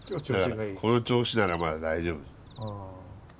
この調子ならまだ大丈夫。